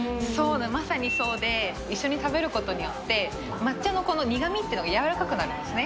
まさにそうで、一緒に食べることによって、抹茶の苦みっていうのが柔らかくなりますね。